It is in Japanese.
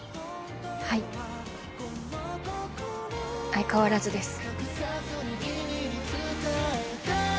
相変わらずです。